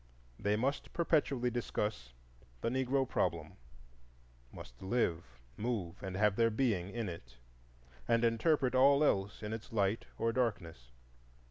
They must perpetually discuss the "Negro Problem,"—must live, move, and have their being in it, and interpret all else in its light or darkness.